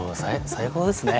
最高ですね。